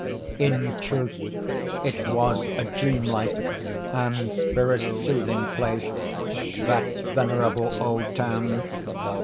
In truth, it was a dream like and spirit soothing place, that venerable old town.